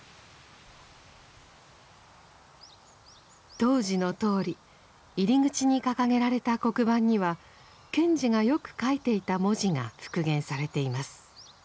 当時のとおり入り口に掲げられた黒板には賢治がよく書いていた文字が復元されています。